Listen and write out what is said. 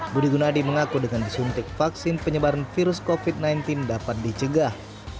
budi gunadi mengaku dengan disuntik vaksin penyebaran virus covid sembilan belas dapat dicegah